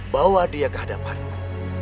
bawa dia ke hadapanku